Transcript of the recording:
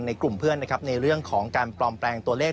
กลุ่มเพื่อนนะครับในเรื่องของการปลอมแปลงตัวเลข